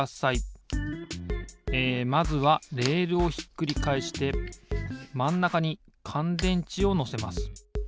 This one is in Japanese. えまずはレールをひっくりかえしてまんなかにかんでんちをのせます。